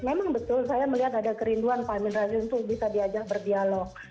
memang betul saya melihat ada kerinduan pak amin rais untuk bisa diajak berdialog